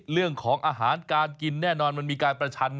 เรื่องของอาหารการกินแน่นอนมันมีการประชัน